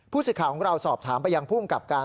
ผู้สิทธิ์ข่าวของเราสอบถามไปยังพุ่งกับการ